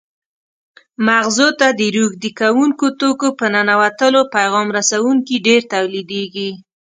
مغزو ته د روږدي کوونکو توکو په ننوتلو پیغام رسوونکي ډېر تولیدېږي.